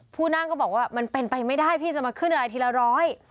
ผู้นั่งก็บอกว่ามันเป็นไปไม่ได้พี่จะมาขึ้นอะไรทีละร้อย